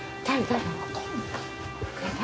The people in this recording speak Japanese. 誰？